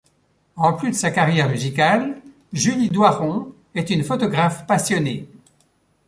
En plus de sa carrière musicale, Julie Doiron est une photographe passionnée.